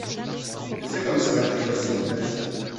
Et c'est comme ça que les choses sont faites.